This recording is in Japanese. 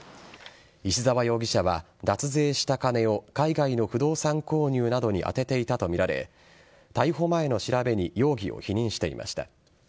石沢容疑者は脱税した金を海外の不動産購入などに充てていたとみられ逮捕前の調べに容疑を否認していました。